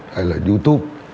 hay là youtube